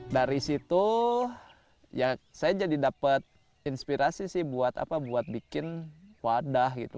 dari situ ya saya jadi dapat inspirasi sih buat bikin wadah gitu